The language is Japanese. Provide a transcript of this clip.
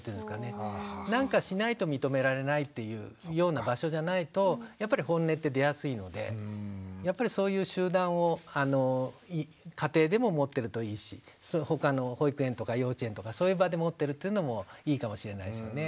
何かしないと認められないっていうような場所じゃないとやっぱりホンネって出やすいのでやっぱりそういう集団を家庭でも持ってるといいし他の保育園とか幼稚園とかそういう場で持ってるっていうのもいいかもしれないですよね。